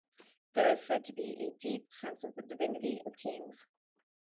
There is said to be a deep sense of the divinity of kings.